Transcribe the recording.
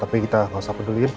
tapi kita gak usah peduliin